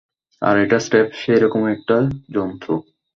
আর এটা স্রেফ সেরকমই একটা জন্তু।